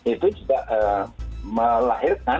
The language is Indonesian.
itu juga melahirkan problem problem turunan